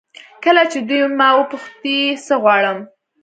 کله چې دوی ما وپوښتي څه غواړم.